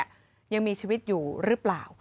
ยังมีชีวิตอยู่หรือเปล่า